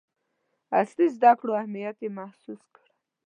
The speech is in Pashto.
عصري زدکړو اهمیت یې محسوس کړ.